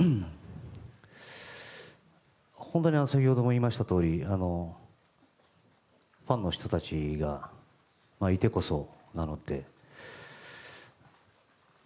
本当に先ほども言いましたとおりファンの人たちがいてこそなので。